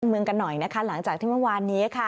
เมืองกันหน่อยนะคะหลังจากที่เมื่อวานนี้ค่ะ